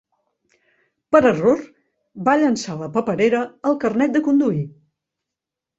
Per error, va llençar a la paperera el carnet de conduir